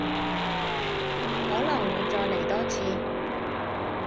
可能會再嚟多次